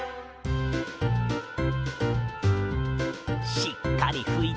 しっかりふいて。